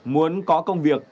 muốn có công việc